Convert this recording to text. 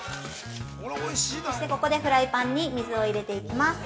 そしてここで、フライパンに水を入れていきます。